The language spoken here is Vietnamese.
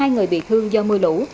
hai người bị thương do mưa lũ